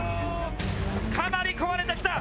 かなり壊れてきた。